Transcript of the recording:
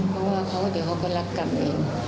เพราะเดี๋ยวเขาก็รับกรรมเอง